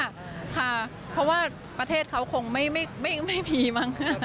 ค่ะเพราะว่าประเทศเขาคงไม่มีมั้ง